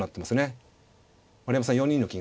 丸山さん４二の金がね